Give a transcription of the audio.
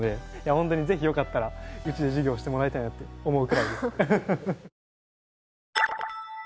本当にぜひよかったらうちで授業してもらいたいなって思うくらいです。